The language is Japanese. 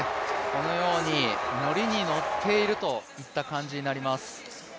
このように乗りに乗っているといった感じになります。